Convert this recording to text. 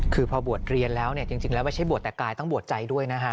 คือพอบวชเรียนแล้วเนี่ยจริงแล้วไม่ใช่บวชแต่กายต้องบวชใจด้วยนะฮะ